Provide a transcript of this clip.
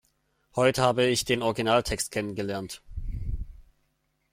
Heute habe ich den Originaltext kennen gelernt.